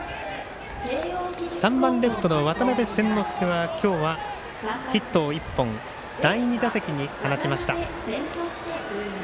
３番レフトの渡邉千之亮は今日はヒットを１本第２打席に放ちました。